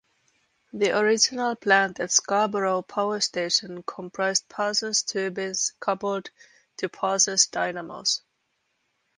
The original plant at Scarborough power station comprised Parsons turbines coupled to Parsons dynamos.